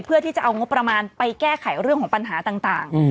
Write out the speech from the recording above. เพื่อที่จะเอางบประมาณไปแก้ไขเรื่องของปัญหาต่าง